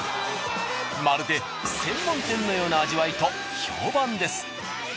まるで専門店のような味わいと評判です。